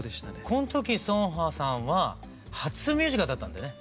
この時成河さんは初ミュージカルだったんだよね。